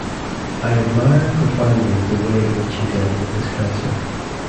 I admire profoundly the way in which he dealt with his cancer.